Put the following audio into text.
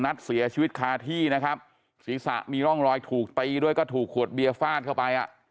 นัดเสียชีวิตคาที่นะครับศีรษะมีร่องรอยถูกตีด้วยก็ถูกขวดเบียร์ฟาดเข้าไปอ่ะ